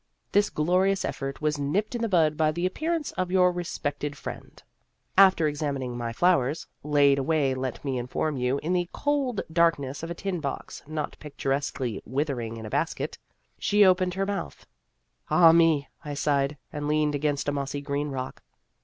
This glorious effort was nipped in the bud by the appearance of your respected friend. After examining my flowers (laid away let me inform you in the cool dark ness of a tin box, not picturesquely wither ing in a basket), she opened her mouth. Danger ! 259 (Ah, me ! I sighed, and leaned against a mossy green rock.)